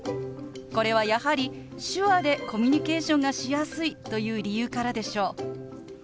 これはやはり手話でコミュニケーションがしやすいという理由からでしょう。